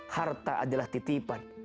harta adalah titipan